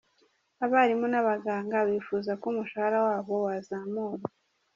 Abarimu n’abaganga bifuza ko umushahara wabo wazamurwa.